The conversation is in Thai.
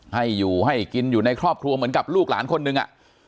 ให้อยู่ให้กินอยู่ในครอบครัวเหมือนกับลูกหลานคนนึง